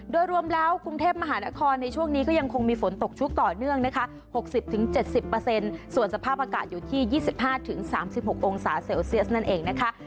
โดยรวมแล้วกรุงเทพมหานครในช่วงนี้ก็ยังคงมีฝนตกชุกต่อเนื่องนะคะ๖๐๗๐ส่วนสภาพอากาศอยู่ที่๒๕๓๖องศาเซลเซียสนั่นเองนะคะ